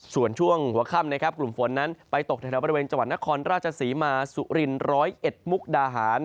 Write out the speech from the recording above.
ส่วนช่วงหัวข้ำกลุ่มฝนนั้นไปตกในบริเวณจวันนครราชสีมาสุรินร้อยเอ็ดมุกดาหาร